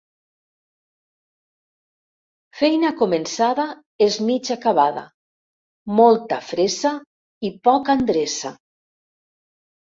Feina començada és mig acabada Molta fressa i poca endreça